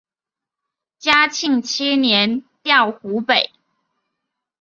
嘉庆七年调湖北。